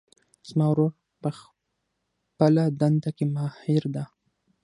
زما ورور په خپلهدنده کې ماهر ده